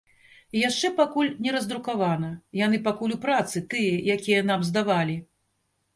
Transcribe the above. Яшчэ пакуль не раздрукавана, яны пакуль у працы, тыя, якія нам здавалі.